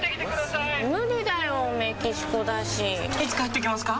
いつ帰ってきますか？